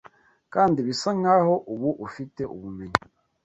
kandi bisa nkaho ubu ufite ubumenyi